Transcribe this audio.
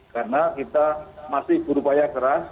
karena kita masih berupaya keras